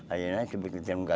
ayahnya sebetulnya di nunuknya